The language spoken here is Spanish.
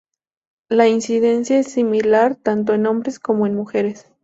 La incidencia es similar tanto en hombres como en mujeres.